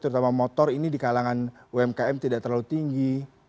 terutama motor ini di kalangan umkm tidak terlalu tinggi